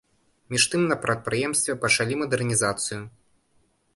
Між тым на прадпрыемстве пачалі мадэрнізацыю.